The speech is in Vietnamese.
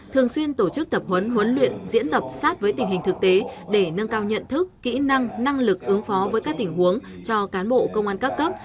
thường xuyên tổ chức tập huấn huấn luyện diễn tập sát với tình hình thực tế để nâng cao nhận thức kỹ năng năng lực ứng phó với các tình huống cho cán bộ công an các cấp